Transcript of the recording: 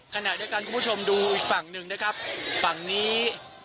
ขณะเดียวกันคุณผู้ชมดูอีกฝั่งหนึ่งนะครับฝั่งนี้